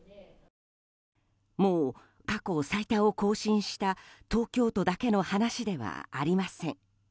もう過去最多を更新した東京都だけの話ではありません。